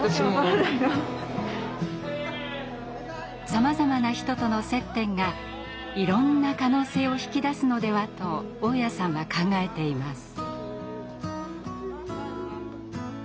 さまざまな人との接点がいろんな可能性を引き出すのではと雄谷さんは考えています。